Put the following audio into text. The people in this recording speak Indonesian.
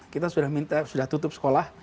kita sudah tutup sekolah